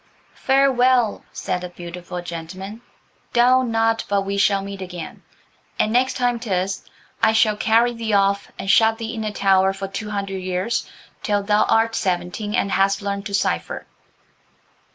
"Farewell," said the beautiful gentleman, "doubt not but we shall meet again. And next time 'tis I shall carry thee off and shut thee in a tower for two hundred years till thou art seventeen and hast learned to cipher."